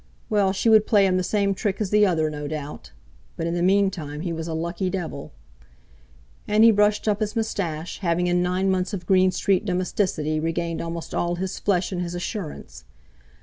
Well, she would play him the same trick as the other, no doubt; but in the meantime he was a lucky devil! And he brushed up his moustache, having in nine months of Green Street domesticity regained almost all his flesh and his assurance.